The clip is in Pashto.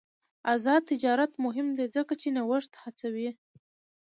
آزاد تجارت مهم دی ځکه چې نوښت هڅوي.